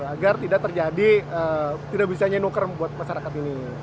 agar tidak terjadi tidak bisanya nuker buat masyarakat ini